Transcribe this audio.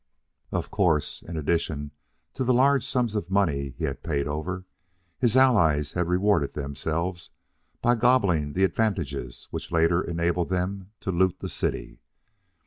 Of course, in addition to the large sums of money he had paid over, his allies had rewarded themselves by gobbling the advantages which later enabled them to loot the city.